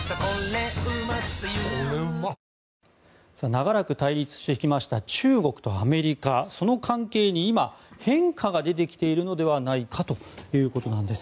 長らく対立してきた中国とアメリカその関係に今、変化が出てきているのではないかということです。